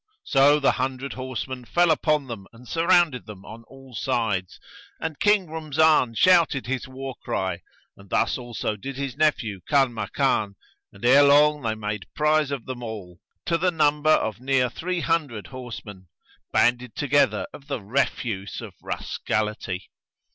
So the hundred horsemen fell upon them and surrounded them on all sides, and King Rumzan shouted his war cry, and thus also did his nephew Kanmakan, and ere long they made prize of them all, to the number of near three hundred horsemen, banded together of the refuse of rascality.